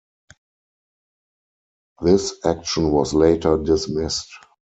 This action was later dismissed.